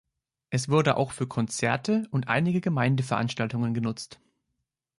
Es wurde auch für Konzerte und einige Gemeindeveranstaltungen genutzt.